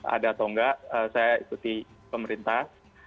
ada atau enggak saya ikuti pemerintah